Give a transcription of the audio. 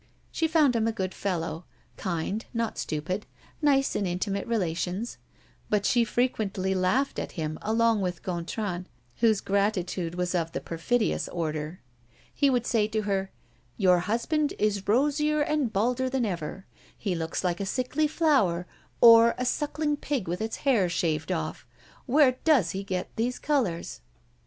She found him a good fellow, kind, not stupid, nice in intimate relations; but she frequently laughed at him along with Gontran, whose gratitude was of the perfidious order. He would say to her: "Your husband is rosier and balder than ever. He looks like a sickly flower, or a sucking pig with its hair shaved off. Where does he get these colors?"